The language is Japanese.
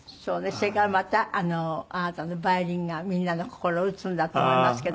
それからまたあなたのヴァイオリンがみんなの心を打つんだと思いますけど。